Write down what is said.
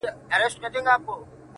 زه به سم آباد وطنه بس چي ته آباد سې,